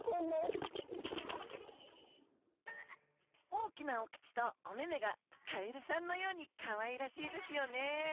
大きなお口とおめめがカエルさんのようにかわいらしいですよね。